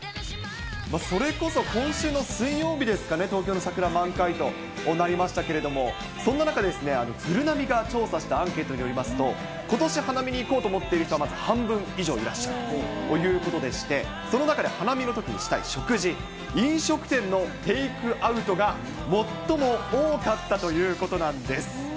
それこそ今週の水曜日ですかね、東京の桜、満開となりましたけれども、そんな中、ぐるなびが調査したアンケートによりますと、ことし花見に行こうと思っている方は半分以上いらっしゃるということでして、その中で花見のときにしたい食事、飲食店のテイクアウトが最も多かったということなんです。